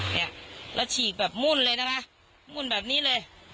เนี่ยแล้วฉีกแบบมุ่นเลยนะคะมุ่นแบบนี้เลย